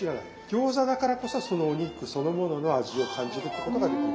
餃子だからこそそのお肉そのものの味を感じるってことができる。